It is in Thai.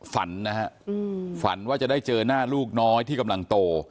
ฝันนะฮะฝันว่าจะได้เจอหน้าลูกน้อยที่กำลังโต